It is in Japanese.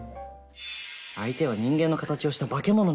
相手は人間の形をした化け物なんだ。